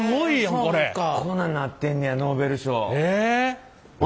こんなんなってんねやノーベル賞。